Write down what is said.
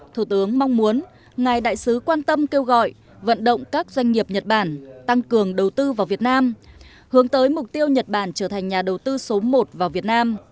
thủ tướng mong muốn ngài đại sứ quan tâm kêu gọi vận động các doanh nghiệp nhật bản tăng cường đầu tư vào việt nam hướng tới mục tiêu nhật bản trở thành nhà đầu tư số một vào việt nam